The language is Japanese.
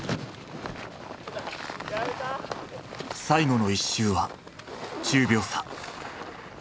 最後の１周は１０秒差。